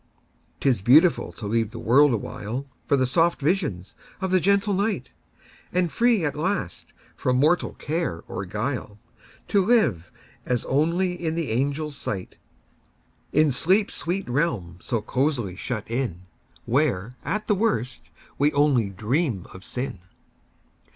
'T is beautiful to leave the world awhileFor the soft visions of the gentle night; And free, at last, from mortal care or guile, To live as only in the angels' sight, In sleep's sweet realm so cosily shut in, Where, at the worst, we only dream of sin!